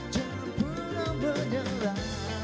jangan pernah menyerah